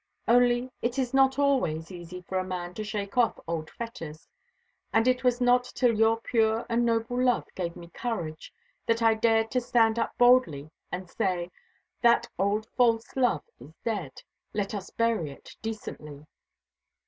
Only it is not always easy for a man to shake off old fetters; and it was not till your pure and noble love gave me courage that I dared to stand up boldly and say, 'That old false love is dead; let us bury it decently.'